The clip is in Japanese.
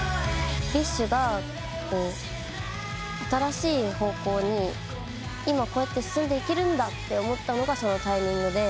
ＢｉＳＨが新しい方向に今こうやって進んでいけるんだと思ったのがそのタイミングで。